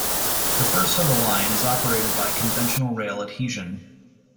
The first of the line is operated by conventional rail adhesion.